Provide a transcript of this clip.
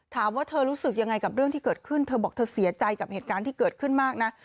ถามว่าเธอรู้สึกยังไงกับเรื่องที่เกิดขึ้นเธอบอกเธอเสียใจกับเหตุการณ์ที่เกิดขึ้นมากนะ